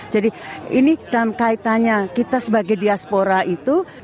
jadi ini dalam kaitannya kita sebagai diaspora itu